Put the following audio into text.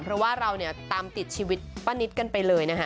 เพราะว่าเราเนี่ยตามติดชีวิตป้านิตกันไปเลยนะคะ